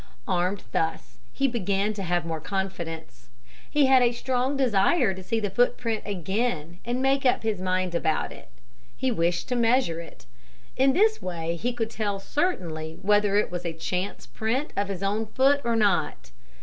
Armed thus, he began to have more confidence. He had a strong desire to see the footprint again and make up his mind about it. He wished to measure it. In this way he could tell certainly whether it was a chance print of his own foot or not.